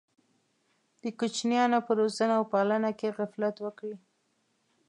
د کوچنیانو په روزنه او پالنه کې غفلت وکړي.